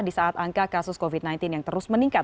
di saat angka kasus covid sembilan belas yang terus meningkat